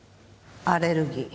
アレルギー。